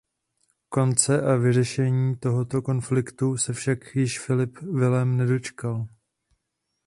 Konce a vyřešení tohoto konfliktu se však již Filip Vilém nedočkal.